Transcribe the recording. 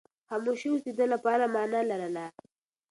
خاموشي اوس د ده لپاره مانا لرله.